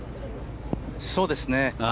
そうですね。